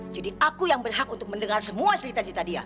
jadi aku yang berhak untuk mendengar semua cerita cerita dia